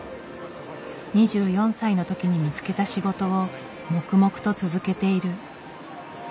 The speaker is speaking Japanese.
２４歳のときに見つけた仕事を黙々と続けている。